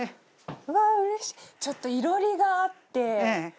ちょっと囲炉裏があって。